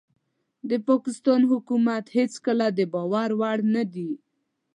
د پاکستان حکومت هيڅکله دباور وړ نه دي